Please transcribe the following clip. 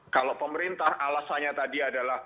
kalau pemerintah alasannya tadi adalah